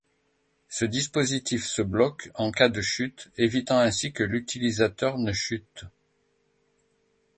Ce dispositif se bloque en cas de chute évitant ainsi que l'utilisateur ne chute.